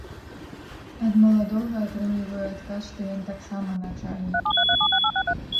Ад маладога атрымліваю адказ, што ён таксама начальнік.